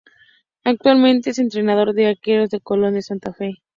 Actualmente es Entrenador de arqueros en Colón de Santa Fe.